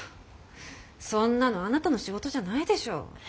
そんなのあなたの仕事じゃないでしょ？